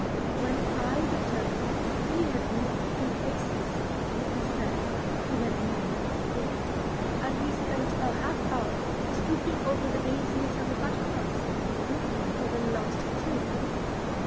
When I returned, he had moved two paces, he said (he had really moved four), and we spent a half hour stooping over the daisies and the buttercups, looking for the lost clew.